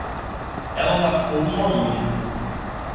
Ela lascou uma unha.